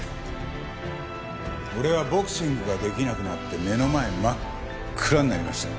俺はボクシングができなくなって目の前真っ暗になりました。